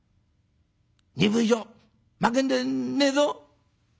２分以上まけるでねえぞ」。